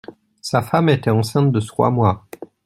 Sa femme était enceinte de trois mois.